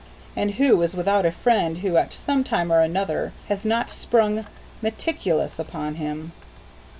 And who is without a friend who at some time or another has not sprung "meticulous" upon him?